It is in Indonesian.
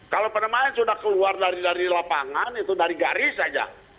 kalau pemain sudah keluar dari lapangan itu dari garis saja